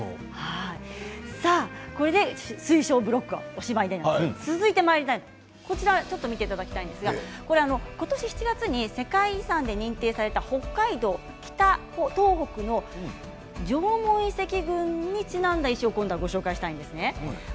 水晶ブロックはこれでおしまいですが続いてこちら見ていただきたいんですがことし７月に世界遺産に認定された北海道・北東北の縄文遺跡群にちなんだ石をご紹介したいんですね。